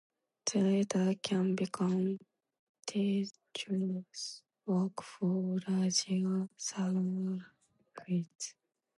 The latter can become tedious work for larger circuits.